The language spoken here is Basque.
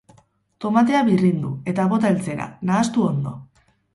Tomatea birrindu eta bota eltzera, nahastu ondo.